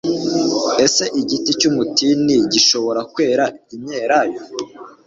ese igiti cy'umutini gishobora kwera imyelayo